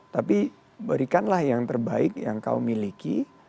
tapi berikanlah yang terbaik yang kau miliki